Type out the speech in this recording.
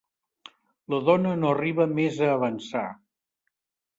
La dona no arriba més a avançar.